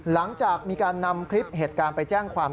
หลังจากมีการนำคลิปเหตุการณ์ไปแจ้งความ